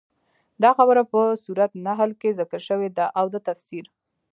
دا خبره په سورت نحل کي ذکر شوي ده، او د تفسير